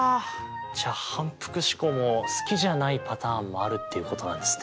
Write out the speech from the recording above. じゃあ反復試行も好きじゃないパターンもあるっていうことなんですね。